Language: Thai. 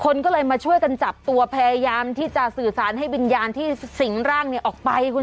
คนก็เลยมาช่วยกันจับตัวพยายามที่จะสื่อสารให้วิญญาณที่สิงร่างเนี่ยออกไปคุณ